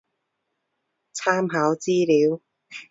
参考资料